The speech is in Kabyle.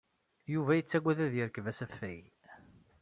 Yuba yettagad ad yerkeb asafag.